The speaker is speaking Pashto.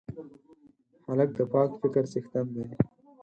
هلک د پاک فکر څښتن دی.